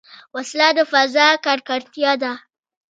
وسله د فضا ککړتیا ده